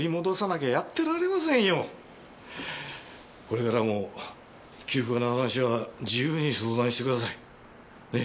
これからも休暇の話は自由に相談してください。ね？